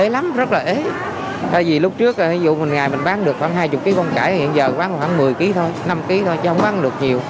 rau củ rất là ế lúc trước mình bán được khoảng hai mươi kg con cải hiện giờ bán khoảng một mươi kg thôi năm kg thôi chứ không bán được nhiều